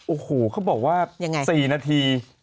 โอ้โหเขาบอกว่า๔นาที